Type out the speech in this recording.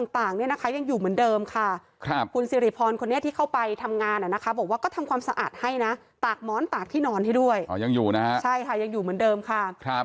พี่เพิ่งเข้าไปเพราะว่าตอนที่เจ๊นี่